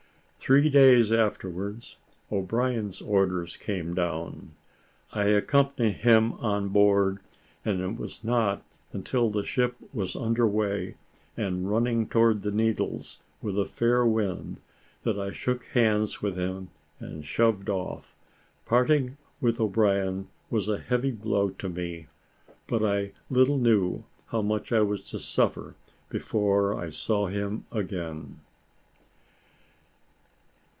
Three days afterwards, O'Brien's orders came down. I accompanied him on board; and it was not until the ship was under weigh, and running towards the Needles with a fair wind, that I shook hands with him, and shoved off. Parting with O'Brien was a heavy blow to me; but I little knew how much I was to suffer before I saw him again.